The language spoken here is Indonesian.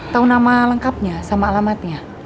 tahu nama lengkapnya sama alamatnya